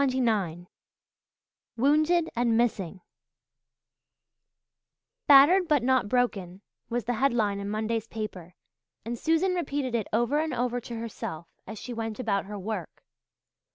CHAPTER XXIX "WOUNDED AND MISSING" "Battered but Not Broken" was the headline in Monday's paper, and Susan repeated it over and over to herself as she went about her work.